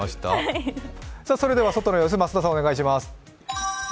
それでは外の様子、増田さんお願いします。